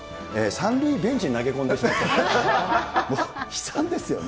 ３塁ベンチに投げ込んでしまったと、悲惨ですよね。